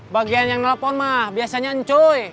bagian yang nelfon mah biasanya encoy